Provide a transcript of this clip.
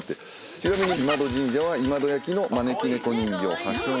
ちなみに今戸神社は今戸焼の招き猫人形発祥の地。